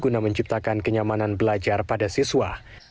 guna menciptakan kenyamanan belajar pada siswa